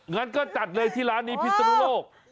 งั้นก็จัดเลยที่ร้านนี้พิศนุโลก